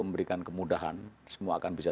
memberikan kemudahan semua akan bisa